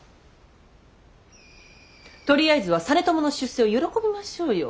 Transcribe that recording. とりあえずは実朝の出世を喜びましょうよ。